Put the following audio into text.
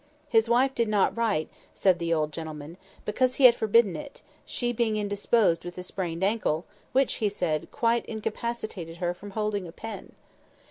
His wife did not write, said the old gentleman, because he had forbidden it, she being indisposed with a sprained ankle, which (he said) quite incapacitated her from holding a pen.